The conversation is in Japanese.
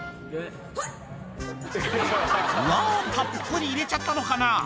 わー、たっぷり入れちゃったのかな。